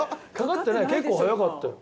結構早かったよ。